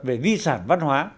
về di sản văn hóa